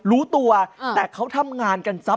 รู้ตัวแต่เขาทำงานกันทรัพย